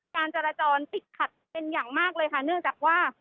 การจราจรติดขัดเป็นอย่างมากเลยค่ะเนื่องจากว่า